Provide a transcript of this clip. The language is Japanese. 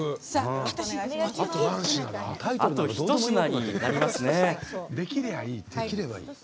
あと１品になりますね。